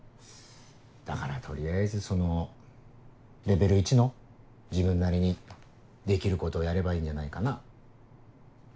だから取りあえずそのレベル１の自分なりにできることをやればいいんじゃないかな。